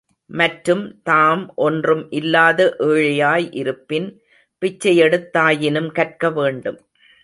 மற்றும், தாம் ஒன்றும் இல்லாத ஏழையாய் இருப்பின் பிச்சையெடுத்தாயினும் கற்க வேண்டும்.